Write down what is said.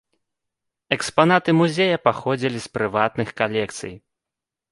Экспанаты музея паходзілі з прыватных калекцый.